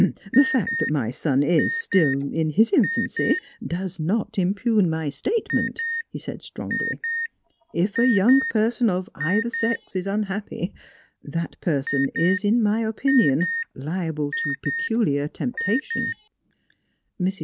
" The fact that my son is er still in his infancy does not impugn my statement," he said strongly. " If a young person, of either sex, is unhappy, that person is, in my opinion, liable to peculiar temptation."